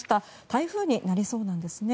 台風になりそうなんですね。